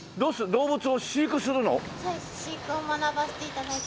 飼育を学ばせて頂いてます。